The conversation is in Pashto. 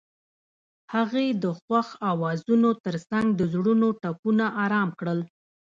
هغې د خوښ اوازونو ترڅنګ د زړونو ټپونه آرام کړل.